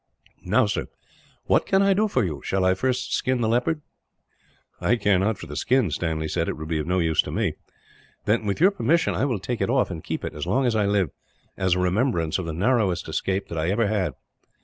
"Now, sir, what can I do for you? Shall I first skin the leopard?" "I care not for the skin," Stanley said. "It would be of no use to me." "Then, with your permission, I will take it off, and keep it as long as I live, as a remembrance of the narrowest escape that I ever had."